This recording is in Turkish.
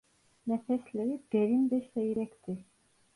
Nefesleri derin ve seyrekti.